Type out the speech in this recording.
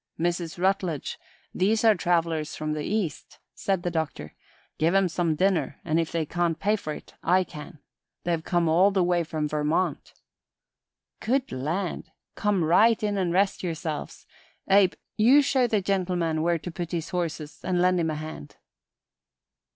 "Mrs. Rutledge, these are travelers from the East," said the Doctor. "Give 'em some dinner, and if they can't pay for it, I can. They've come all the way from Vermont." "Good land! Come right in an' rest yerselves. Abe, you show the gentleman where to put his horses an' lend him a hand."